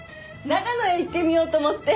長野へ行ってみようと思って。